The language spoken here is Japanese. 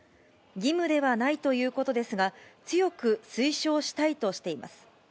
義務ではないということですが、強く推奨したいとしています。